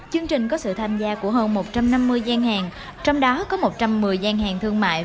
chương trình có sự tham gia của hơn một trăm năm mươi gian hàng trong đó có một trăm một mươi gian hàng thương mại